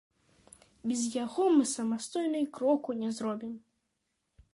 Без яго мы самастойна і кроку не зробім.